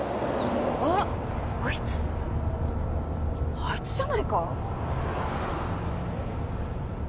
あっこいつあいつじゃないか？